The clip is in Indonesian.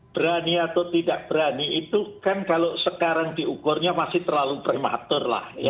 berani atau tidak berani itu kan kalau sekarang diukurnya masih terlalu prematur lah